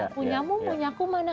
punyamu punyaku mana